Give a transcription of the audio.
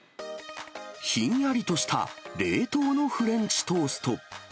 ひんやりとした冷凍のフレンチトースト。